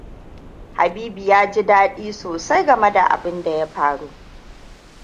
Habibu ya ji daɗi sosai game da abin da ya faru.